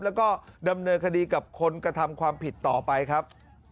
แล้วก็ดำเนินคดีกับคนกระทำความผิดต่อไปครับ